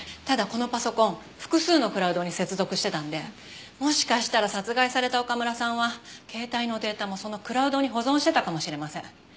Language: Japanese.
ただこのパソコン複数のクラウドに接続してたんでもしかしたら殺害された岡村さんは携帯のデータもそのクラウドに保存してたかもしれません。